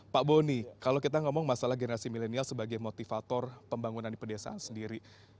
pak boni kalau kita ngomong masalah generasi milenial sebagai motivator pembangunan di pedesaan sendiri